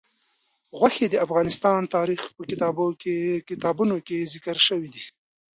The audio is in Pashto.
غوښې د افغان تاریخ په کتابونو کې ذکر شوی دي.